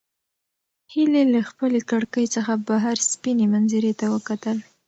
هیلې له خپلې کړکۍ څخه بهر سپینې منظرې ته وکتل.